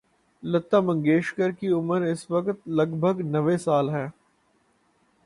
لتا منگیشکر کی عمر اس وقت لگ بھگ نّوے سال ہے۔